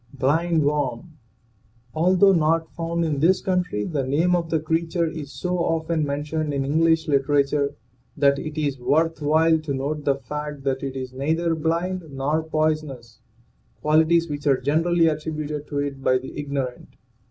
BLIND WORM. Although not found in this country, the name of the creature is so often mentioned in English literature that it is worth while to note the fact that it is neither blind nor poisonous, qualities which are generally attributed to it by the ignorant.